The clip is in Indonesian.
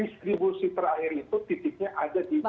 distribusi terakhir itu titiknya